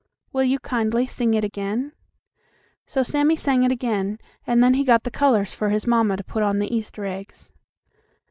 Will you kindly sing it again?" So Sammie sang it again, and then he got the colors for his mamma to put on the Easter eggs.